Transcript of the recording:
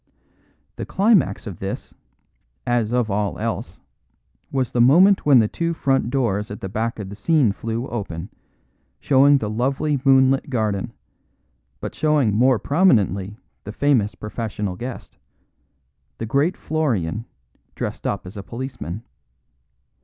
The climax of this, as of all else, was the moment when the two front doors at the back of the scene flew open, showing the lovely moonlit garden, but showing more prominently the famous professional guest; the great Florian, dressed up as a policeman.